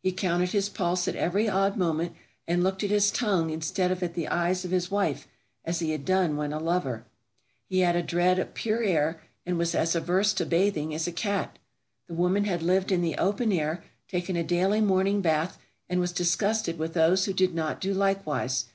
He counted his pulse at every odd moment, and looked at his tongue instead of at the eyes of his wife, as he had done when a lover. He had a dread of pure air, and was as averse to bathing as a cat. The woman had lived in the open air, taken a daily morning bath, and was disgusted with those who did not do likewise.